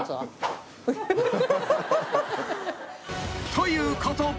［ということで］